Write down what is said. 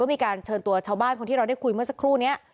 มีการเชิญตัวชาวบ้านคนที่เราได้คุยเมื่อสักครู่นี้